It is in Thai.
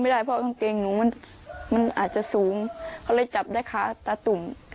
มันอาจจะสูงก็เลยจับได้ค่าตะตุ่ม